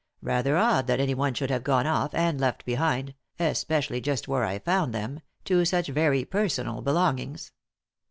Rather odd that anyone should have gone off, and left behind — especially just where I found them — two such very personal belongings."